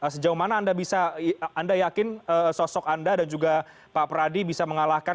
sejauh mana anda bisa anda yakin sosok anda dan juga pak pradi bisa mengalahkan